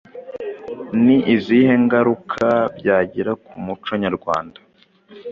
Ni izihe ngaruka byagira ku muco nyarwanda